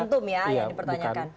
momentum ya yang dipertanyakan